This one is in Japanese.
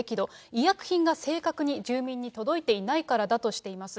医薬品が正確に住民に届いていないからだとしています。